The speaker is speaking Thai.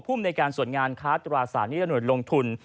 ผู้อุ๋มในการส่วนงานค้าตรวจสารนิยโหน่อยลงทุน